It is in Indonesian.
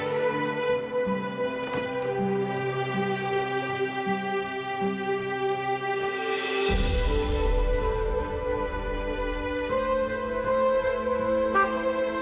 cari dulu aja